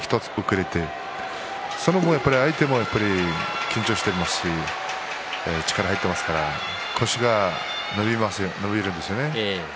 その後は相手も緊張していますから力が入っていますから腰が伸びるんですよね。